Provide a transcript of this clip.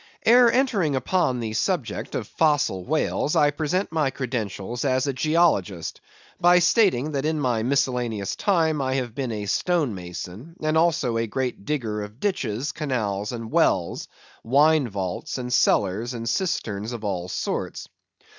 Ere entering upon the subject of Fossil Whales, I present my credentials as a geologist, by stating that in my miscellaneous time I have been a stone mason, and also a great digger of ditches, canals and wells, wine vaults, cellars, and cisterns of all sorts.